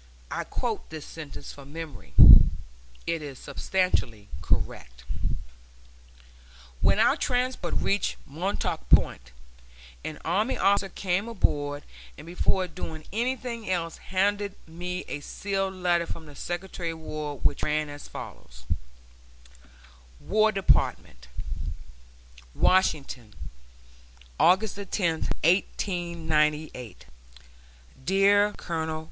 [*] I quote this sentence from memory; it is substantially correct. When our transport reached Montauk Point, an army officer came aboard and before doing anything else handed me a sealed letter from the Secretary of War which ran as follows: WAR DEPARTMENT, WASHINGTON, August 10, 1898. DEAR COL.